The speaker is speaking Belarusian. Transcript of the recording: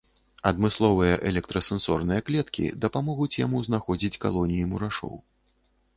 Адмысловыя электрасэнсорныя клеткі дапамогуць яму знаходзіць калоніі мурашоў.